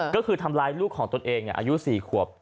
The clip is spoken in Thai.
ก็คือทำร้ายลูกของตนเองอายุ๔ขวบ